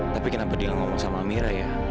tapi kenapa dia ngomong sama mira ya